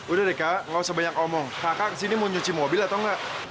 udah deh kak gak usah banyak omong kakak kesini mau nyuci mobil atau enggak